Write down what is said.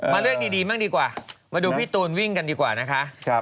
เรื่องดีบ้างดีกว่ามาดูพี่ตูนวิ่งกันดีกว่านะคะ